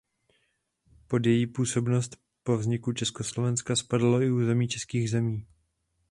Pod její působnost po vzniku Československa spadalo i území českých zemí.